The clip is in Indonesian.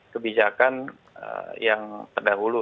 kebijakan yang terdahulu